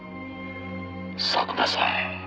「佐久間さん